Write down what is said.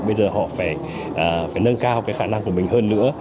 bây giờ họ phải nâng cao cái khả năng của mình hơn nữa